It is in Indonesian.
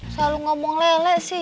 selalu ngomong lelek sih